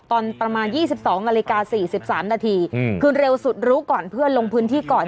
ตอนประมาณ๒๒นาฬิกา๔๓นาทีคือเร็วสุดรู้ก่อนเพื่อนลงพื้นที่ก่อน